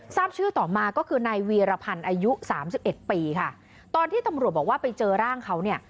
ทราบชื่อต่อมาก็คือนายวีรพันธ์อายุสามสิบเอ็ดปีค่ะตอนที่ตำรวจบอกว่าไปเจอร่างเขาเนี่ย